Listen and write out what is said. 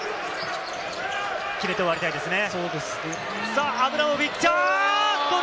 決めて終わりたいですね。